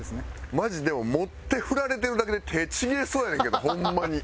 マジでも持って振られてるだけで手ちぎれそうやねんけどホンマに。